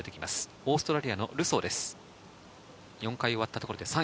オーストラリアのルソーです。